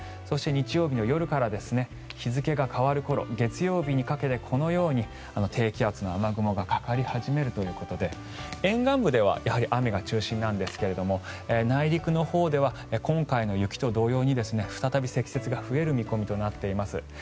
そして、日曜日の夜から日付が変わる頃月曜日にかけてこのように低気圧の雨雲がかかり始めるということで沿岸部ではやはり雨が中心なんですが内陸のほうでは今回の雪と同様に再び積雪が増える見込みとなっています。